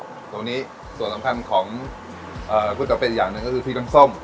ตรงนี้ส่วนสำคัญของก๋วยเตี๋เป็นอีกอย่างหนึ่งก็คือพริกน้ำส้ม